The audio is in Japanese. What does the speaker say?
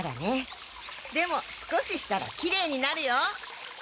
でも少ししたらきれいになるよ！